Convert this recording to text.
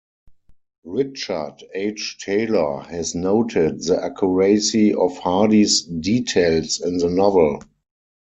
Richard H. Taylor has noted the accuracy of Hardy's details in the novel.